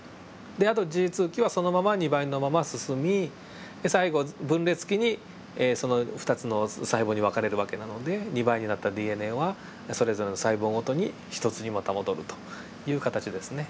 であとＧ期はそのまま２倍のまま進み最後分裂期にその２つの細胞に分かれる訳なので２倍になったＤＮＡはそれぞれの細胞ごとに１つにまた戻るという形ですね。